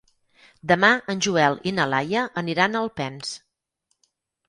Demà en Joel i na Laia aniran a Alpens.